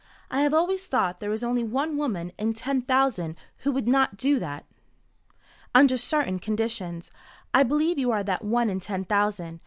I have always thought there is only one woman in ten thousand who would not do that under certain conditions. I believe you are that one in ten thousand.